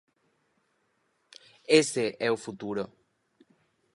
Ese é o futuro.